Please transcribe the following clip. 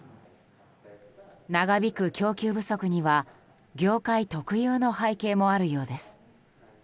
長引く供給不足には業界特有の背景もあるようです。